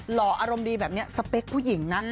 ห่ออารมณ์ดีแบบนี้สเปคผู้หญิงนะ